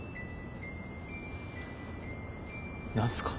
何すか？